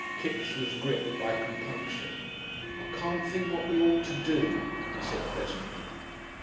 Kipps was gripped by compunction.... "I can't think what we ought to do," he said, presently.